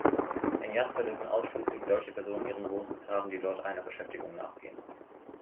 In Jasper dürfen ausschließlich solche Personen ihren Wohnsitz haben, die dort einer Beschäftigung nachgehen.